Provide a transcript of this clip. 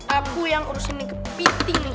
aku yang urusin ini ke piting